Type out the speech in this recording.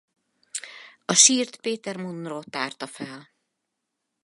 A sírt Peter Munro tárta fel.